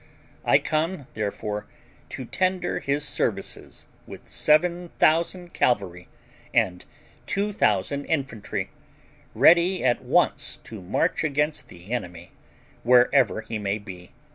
I come, therefore, to tender his services, with seven thousand cavalry and two thousand infantry, ready at once to march against the enemy, wherever he may be.